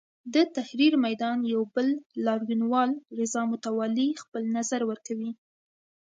د تحریر میدان یو بل لاریونوال رضا متوالي خپل نظر ورکوي.